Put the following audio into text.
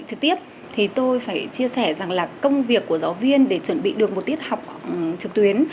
so với việc chuẩn bị bài dạy trực tiếp thì tôi phải chia sẻ rằng là công việc của giáo viên để chuẩn bị được một tiết học trực tuyến